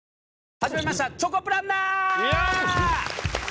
始まりました『チョコプランナー』！